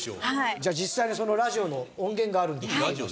じゃあ実際にそのラジオの音源があるんで。